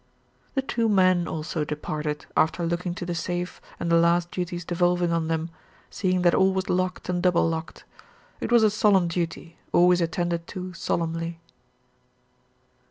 The two men also departed, after looking to the safe, and the last duties devolving on them, seeing that all was locked and double locked. It was a solemn duty, always attended to solemnly.